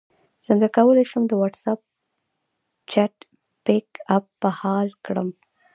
څنګه کولی شم د واټساپ چټ بیک اپ بحال کړم